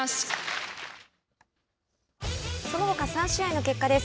そのほか、３試合の結果です。